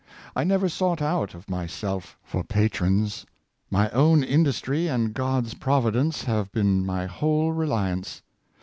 I never sought out of myself for patrons. My own industry and God's providence have been my whole reliance.